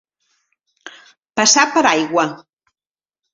Passar per aigua.